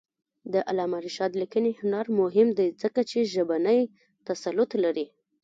د علامه رشاد لیکنی هنر مهم دی ځکه چې ژبنی تسلط لري.